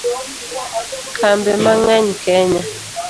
Kambe mang'eny Kenya